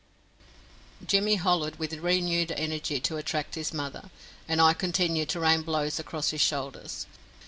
Jimmy hollered with renewed energy to attract his mother, and I continued to rain blows across his shoulders.